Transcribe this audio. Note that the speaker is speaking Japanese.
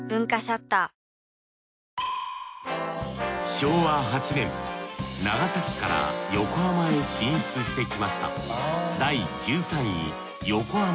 昭和８年長崎から横浜へ進出してきました